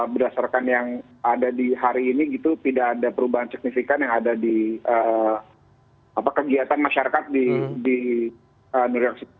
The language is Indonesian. berdasarkan yang ada di hari ini gitu tidak ada perubahan signifikan yang ada di kegiatan masyarakat di new york city